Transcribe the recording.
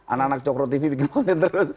anak anak cokro tv bikin konten terus